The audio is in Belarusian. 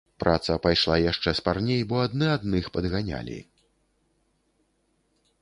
Праца пайшла яшчэ спарней, бо адны адных падганялі.